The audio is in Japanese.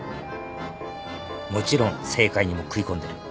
もちろん政界にも食い込んでる。